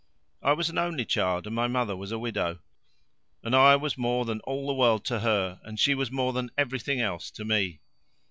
I was an only child, and my mother was a widow, and I was more than all the world to her, and she was more than everything else to me.